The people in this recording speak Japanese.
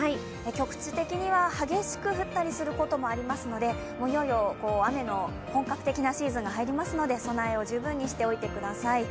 局地的には激しく降ったりすることもありますのでいよいよ雨の本格的なシーズンに入りますので備えを十分にしておいてください。